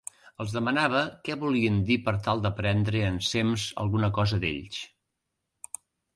Els demanava què volien dir per tal d'aprendre ensems alguna cosa d'ells.